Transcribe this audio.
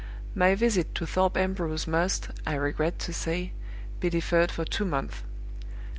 My visit to Thorpe Ambrose must, I regret to say, be deferred for two months.